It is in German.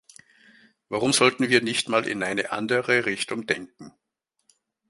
Warum sollten wir nicht mal in eine andere Richtung denken?